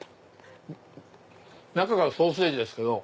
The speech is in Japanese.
中がソーセージですけど。